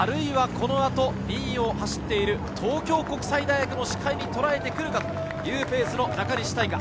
このあと２を走っている東京国際大学も視界にとらえてくるかというペースの中西大翔。